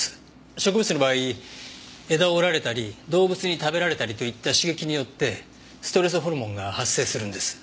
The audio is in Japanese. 植物の場合枝を折られたり動物に食べられたりといった刺激によってストレスホルモンが発生するんです。